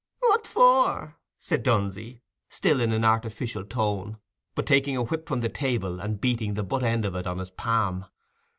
"What for?" said Dunsey, still in an artificial tone, but taking a whip from the table and beating the butt end of it on his palm.